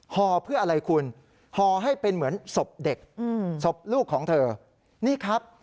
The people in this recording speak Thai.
ห่อเพื่ออะไรคุณห่อให้เป็นเหมือนศพเด็กศพลูกของเธอนี่ครับ